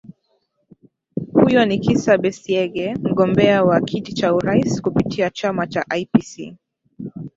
huyo ni kisa besiege mgombea wa kiti cha urais kupitia chama cha ipc